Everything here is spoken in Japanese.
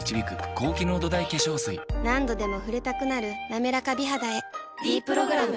何度でも触れたくなる「なめらか美肌」へ「ｄプログラム」